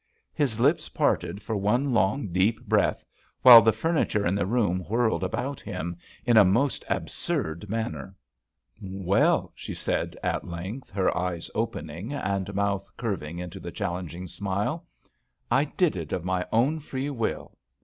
His lips parted for one long, deep breath, while the furniture in the room whirled about him in a most absurd manner. "Well!" she said, at length, her eyes open ing and mouth curving into the challenging smile. "I did it of my own free will.